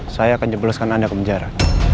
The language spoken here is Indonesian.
saya akan jebloskan anda ke penjara